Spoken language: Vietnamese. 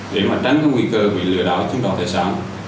để tránh nguy cơ bị lừa đảo trong đoàn thể sản